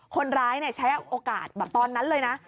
คนร้ายใช้โอกาสแบบตอนนั้นเลยนะ